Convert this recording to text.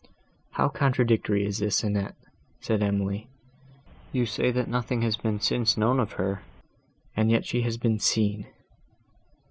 "How contradictory is this, Annette!" said Emily, "you say nothing has been since known of her, and yet she has been seen!"